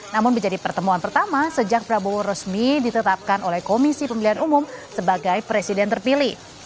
namun menjadi pertemuan pertama sejak prabowo resmi ditetapkan oleh komisi pemilihan umum sebagai presiden terpilih